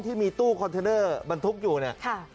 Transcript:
ที่มีตู้คอนเทนเนอร์บรรทุกอยู่เนี่ย